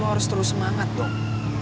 harus terus semangat dong